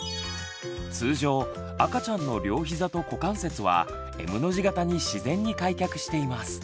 通常赤ちゃんの両ひざと股関節はＭの字形に自然に開脚しています。